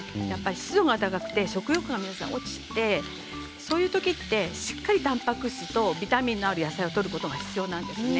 湿度が高くて食欲が皆さん落ちてそういう時はしっかりたんぱく質とビタミンがある野菜をとることが必要なんですね。